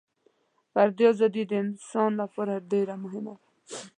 فردي ازادي د انسان لپاره ډېره مهمه ده.